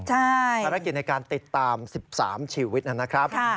ภารกิจในการติดตาม๑๓ชีวิตนะครับ